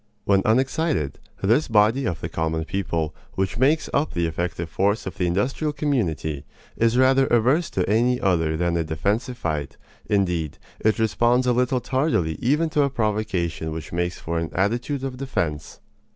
When unexcited, this body of the common people, which makes up the effective force of the industrial community, is rather averse to any other than a defensive fight; indeed, it responds a little tardily even to a provocation which makes for an attitude of defense.